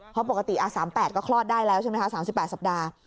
เพราะปกติ๓๘ก็คลอดได้แล้วใช่ไหมคะ๓๘สัปดาห์